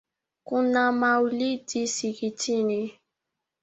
Kuna maulidi msikitini